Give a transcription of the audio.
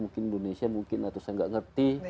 mungkin indonesia mungkin atau saya nggak ngerti